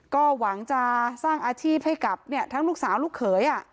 ก็หวังจะสร้างอาชีพให้กับทั้งลูกสาวลูกเขย